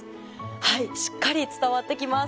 はいしっかり伝わって来ます。